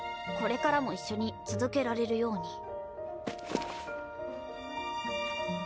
これからも一緒に続けられるように。